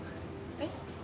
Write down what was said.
えっ？